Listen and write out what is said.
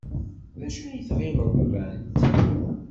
D acu ay tɣiled ran-t?